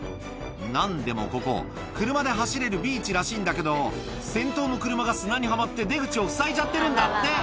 なんでもここ、車で走れるビーチらしいんだけど、先頭の車が砂にはまって、出口を塞いじゃってるんだって。